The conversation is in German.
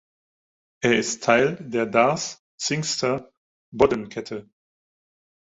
Er ist Teil der Darß-Zingster Boddenkette.